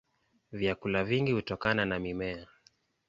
Vyakula vingi hutokana na mimea.